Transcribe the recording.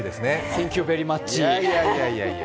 サンキューベリーマッチ。